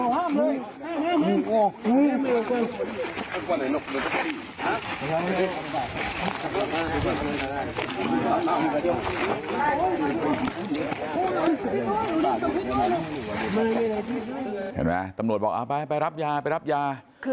เห็นไหมตำรวจบอกไปไปรับยาไปรับยา